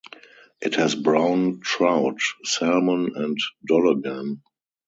It has brown trout, salmon and dollaghan.